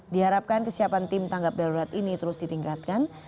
diharapkan kesiapan tim tanggap darurat ini terus ditingkatkan